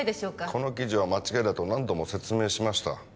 この記事は間違いだと何度も説明しました